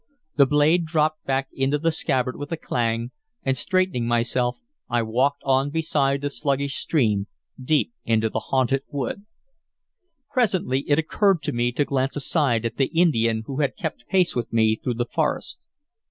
The blade dropped back into the scabbard with a clang, and, straightening myself, I walked on beside the sluggish stream deep into the haunted wood. Presently it occurred to me to glance aside at the Indian who had kept pace with me through the forest.